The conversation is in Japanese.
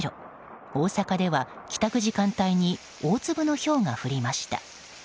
大阪では、帰宅時間帯に大粒のひょうが降りました。